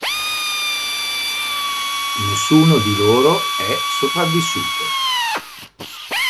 Nessuno di loro è sopravvissuto.